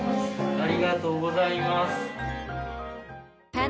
ありがとうございます。